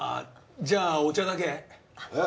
じゃあお茶だけ。